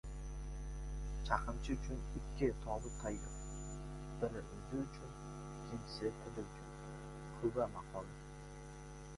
Chaqimchi uchun ikki tobut tayyor: biri o‘zi uchun, ikkinchisi tili uchun. Kuba maqoli